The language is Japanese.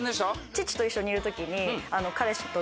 父と一緒にいる時に。